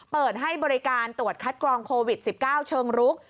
เปิดให้บริการตรวจคัดกรองโควิด๑๙เชิงรุก